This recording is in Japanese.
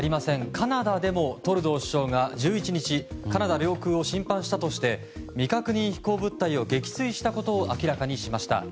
カナダでも、トルドー首相が１１日カナダ領空を侵犯したとして未確認飛行物体を撃墜したことを明らかにしました。